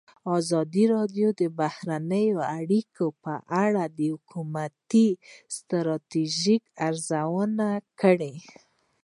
ازادي راډیو د بهرنۍ اړیکې په اړه د حکومتي ستراتیژۍ ارزونه کړې.